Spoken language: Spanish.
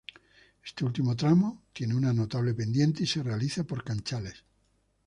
Este último tramo tiene una notable pendiente y se realiza por canchales.